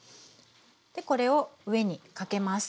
これを上にかけます。